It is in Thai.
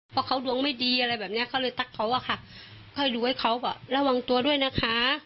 เพราะเขาดวงไม่ดีอะไรแบบเนี้ยเขาเลยตักเขาอะค่ะค่อยดูให้เขาแบบระวังตัวด้วยนะคะ